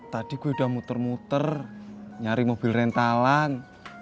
tadi gue udah muter muter nyari mobil rentalan